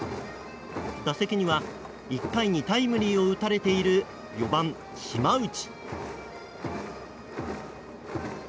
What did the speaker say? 打席には１回にタイムリーを打たれている４番、島内。